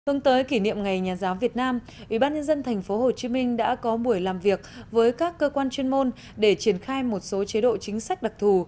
hướng tới kỷ niệm ngày nhà giáo việt nam ubnd tp hcm đã có buổi làm việc với các cơ quan chuyên môn để triển khai một số chế độ chính sách đặc thù